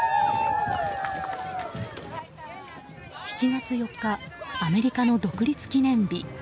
７月４日アメリカの独立記念日。